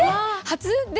初？